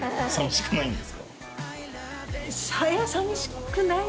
寂しくない。